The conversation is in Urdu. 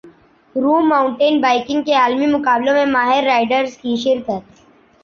روم ماونٹین بائیکنگ کے عالمی مقابلوں میں ماہر رائیڈرز کی شرکت